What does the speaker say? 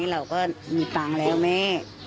เราก็มีตังค์แล้วแม่